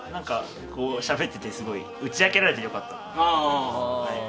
しゃべってて、すごい打ち明けられて良かった。